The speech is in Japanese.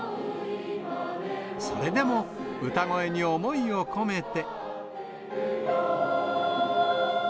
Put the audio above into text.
それでも、歌声に思いを込めて。